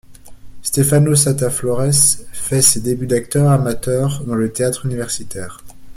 Stefano Satta Flores fait ses débuts d'acteur amateur dans le théâtre universitaire.